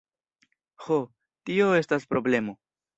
Ho, tio estas problemo!